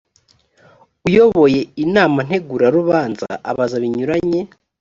uyoboye inama ntegurarubanza abaza binyuranye